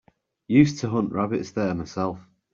Used to hunt rabbits there myself.